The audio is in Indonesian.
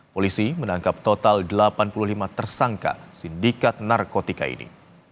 polisi menangkap total delapan puluh lima tersangka sindikat narkotika ini